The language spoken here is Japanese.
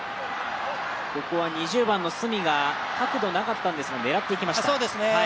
２０番の角が角度なかったんですが狙っていきました。